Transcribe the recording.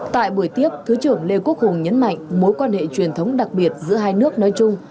tại buổi tiếp thứ trưởng lê quốc hùng nhấn mạnh mối quan hệ truyền thống đặc biệt giữa hai nước nói chung